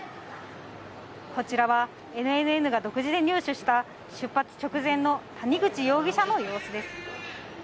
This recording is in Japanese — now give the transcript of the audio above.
こちらがＮＮＮが独自で入手した出発直前の谷口容疑者の様子です。